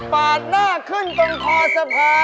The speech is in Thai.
ปาดหน้าขึ้นตรงคอสะพาน